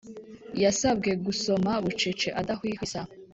Yasabwe Gusoma bucece adahwihwisa